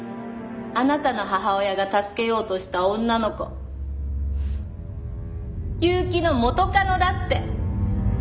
あなたの母親が助けようとした女の子結城の元カノだって。